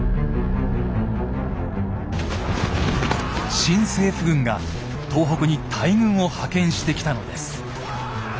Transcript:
新政府軍が東北に大軍を派遣してきたのです。